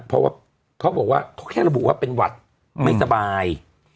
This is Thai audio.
เพราะว่าเขาบอกว่าเขาแค่ระบุว่าเป็นหวัดไม่สบาย